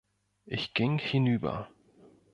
Ich ging hinüber.